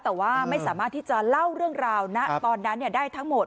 แต่ว่าไม่สามารถที่จะเล่าเรื่องราวนะตอนนั้นได้ทั้งหมด